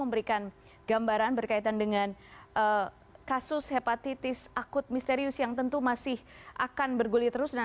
memberikan gambaran berkaitan dengan kasus hepatitis akut misterius yang tentu masih akan berguli terus